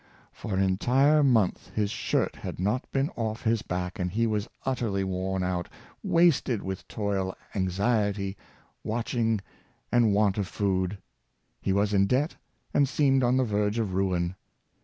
For an entire month his shirt had not been off his back, and he was utterly worn out — wasted with toil, jmxiety, watching and want of food. He was in debt^ and seemed on the verge of ruin.